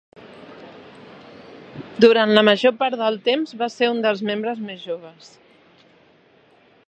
Durant la major part del temps, va ser un dels membres més joves.